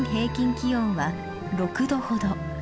気温は６℃ほど。